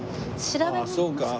調べます。